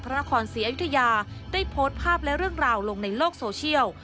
พระนครศรีอยุธยาได้โพสต์ภาพและเรื่องราวลงในโลกโซเชียล